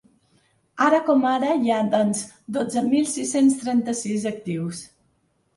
Ara com ara hi ha, doncs, dotze mil sis-cents trenta-sis actius.